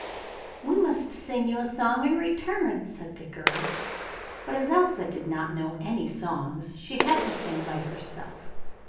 'We must sing you a song in return,' said the girl, but as Elsa did not know any songs, she had to sing by herself.